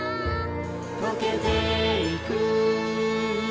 「とけていく」